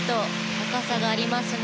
高さがありますね。